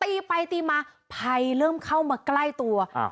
ตีไปตีมาภัยเริ่มเข้ามาใกล้ตัวอ่า